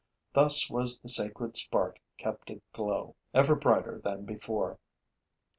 Thus was the sacred spark kept aglow, ever brighter than before.